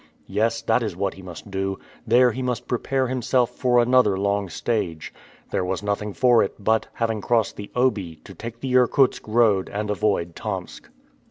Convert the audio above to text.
Yes, that is what he must do; there he must prepare himself for another long stage. There was nothing for it but, having crossed the Obi, to take the Irkutsk road and avoid Tomsk.